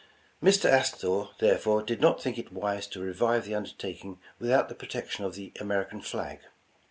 Mr. Astor, therefore, did not think it wise to revive the undertaking without the protection of the American flag.